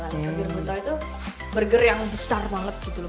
burger buto itu burger yang besar banget gitu loh